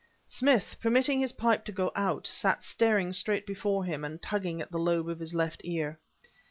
Smith, permitting his pipe to go out, sat staring straight before him, and tugging at the lobe of his left ear.